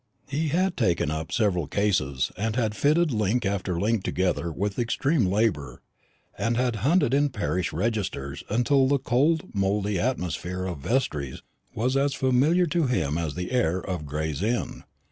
He had taken up several cases, and had fitted link after link together with extreme labour, and had hunted in parish registers until the cold mouldy atmosphere of vestries was as familiar to him as the air of Gray's Inn.